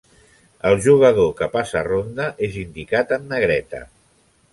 El jugador que passa ronda és indicat en negreta.